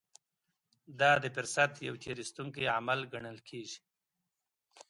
دا د فرصت يو تېر ايستونکی عمل ګڼل کېږي.